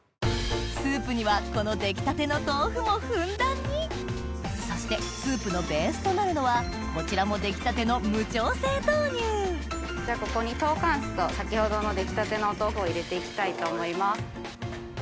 スープにはこの出来たての豆腐もふんだんにそしてスープのベースとなるのはこちらも出来たてのここにトーカンスーと先ほどの出来たてのお豆腐を入れて行きたいと思います。